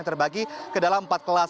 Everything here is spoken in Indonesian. terbagi ke dalam empat kelas